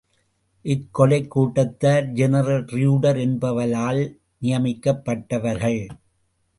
இக்கொலைக்கூட்டத்தார் general Reuter என்பவலால் நியமிக்கப்ட்டவர்கள்.